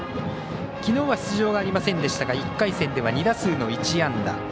きのうは出場がありませんでしたが１回戦では２打数の１安打。